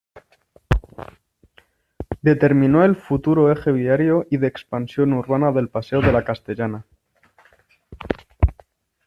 Determinó el futuro eje viario y de expansión urbana del Paseo de la Castellana.